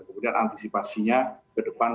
kemudian antisipasinya ke depan